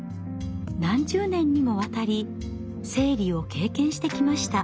何十年にもわたり生理を経験してきました。